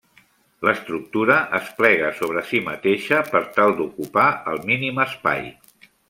L'estructura es plega sobre si mateixa per tal d'ocupar el mínim espai.